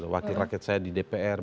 wakil rakyat saya di dpr